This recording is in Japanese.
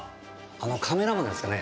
あのカメラマンですかね。